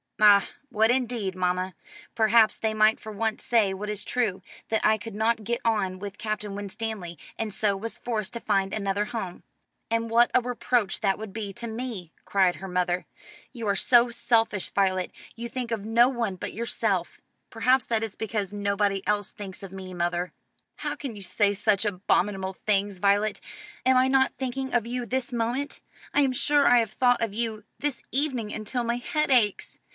"Ah, what indeed, mamma. Perhaps, they might for once say what is true: that I could not get on with Captain Winstanley, and so was forced to find another home." "And what a reproach that would be to me," cried her mother. "You are so selfish, Violet; you think of no one but yourself." "Perhaps that is because nobody else thinks of me, mother." "How can you say such abominable things, Violet? Am I not thinking of you this moment? I am sure I have thought of you this evening until my head aches.